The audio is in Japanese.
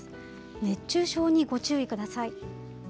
熱中症にご注意ください。